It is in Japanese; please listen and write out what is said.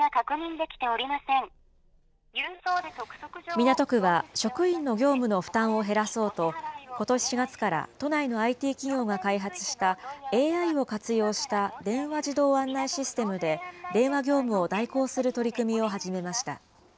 港区は、職員の業務の負担を減らそうと、ことし４月から都内のＩＴ企業が開発したＡＩを活用した電話自動案内システムで、電話業務を代行する取り組みを始めました。